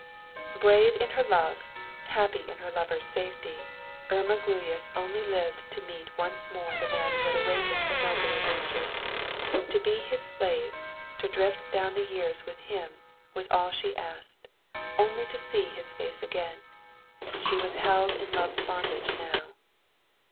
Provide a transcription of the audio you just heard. Brave in her love, happy in her lover's safety, Irma Gluyas only lived to meet once more the man who had awakened her nobler nature. To be his slave, to drift down the years with him, was all she asked; only to see his face again! She was held in Love's bondage now!